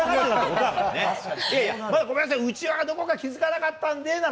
いやいや、ごめんなさい、うちわどこか気付かなかったんでなら、